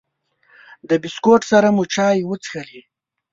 د بسکوټ سره مو چای وڅښلې.